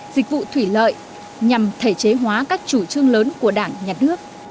dịch vụ thủy lợi nhằm thể chế hóa các chủ trương lớn của đảng nhà nước